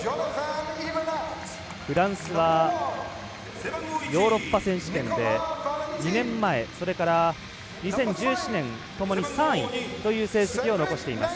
フランスはヨーロッパ選手権で２年前、それから２０１７年ともに３位という成績を残しています。